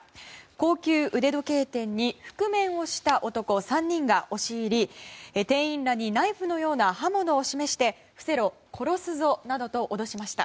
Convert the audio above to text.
高級腕時計店に覆面をした男３人が押し入り店員らにナイフのような刃物を示して伏せろ、殺すぞなどと脅しました。